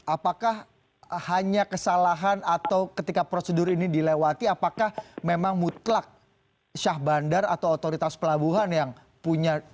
apakah hanya kesalahan atau ketika prosedur ini dilewati apakah memang mutlak syah bandar atau otoritas pelabuhan yang punya